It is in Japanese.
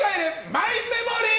マイメモリー！